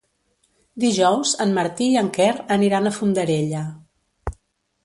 Dijous en Martí i en Quer aniran a Fondarella.